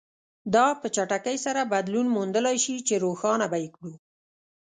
دا په چټکۍ سره بدلون موندلای شي چې روښانه به یې کړو.